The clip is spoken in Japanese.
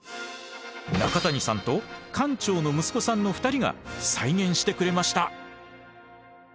中谷さんと館長の息子さんの２人が再現してくれました！